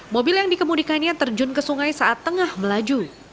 mobil yang dikemudikannya terjun ke sungai saat tengah melaju